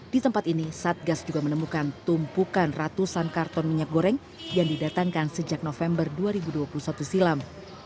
di tempat ini satgas juga menemukan tumpukan ratusan karton minyak goreng yang didatangkan sejak november dua ribu dua puluh satu silam